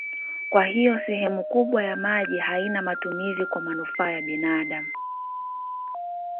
Kwa hiyo sehemu kubwa ya maji haina matumizi kwa manufaa ya binadamu.